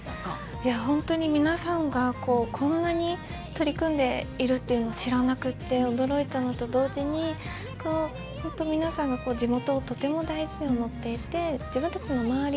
いや本当に皆さんがこんなに取り組んでいるっていうのを知らなくて驚いたのと同時に本当皆さんが地元をとても大事に思っていて自分たちの周り